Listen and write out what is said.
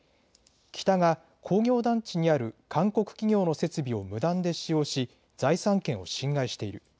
北が工業団地にある韓国企業の設備を無断で使用し財産権を侵害している。